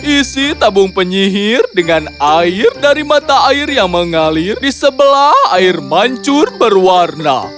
isi tabung penyihir dengan air dari mata air yang mengalir di sebelah air mancur berwarna